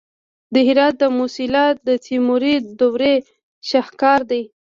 د هرات د موسیلا د تیموري دورې شاهکار دی